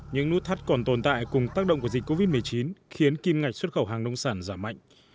những nút thắt còn tồn tại cùng tác động của dịch covid một mươi chín khiến kim ngạch xuất khẩu hàng nông sản giảm mạnh